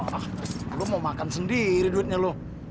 wah lo mau makan sendiri duitnya lo